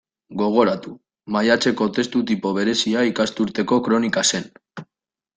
Gogoratu; maiatzeko testu tipo berezia ikasturteko kronika zen.